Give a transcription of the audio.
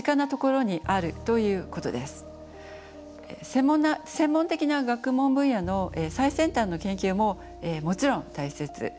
それは専門的な学問分野の最先端の研究ももちろん大切です。